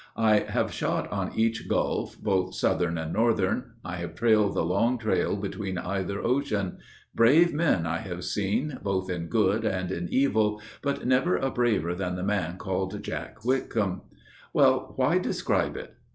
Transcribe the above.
I have shot on each Gulf, both Southern and Northern. I have trailed the long trail between either ocean. Brave men I have seen, both in good and in evil, But never a braver than the man called Jack Whitcomb. Well, why describe it?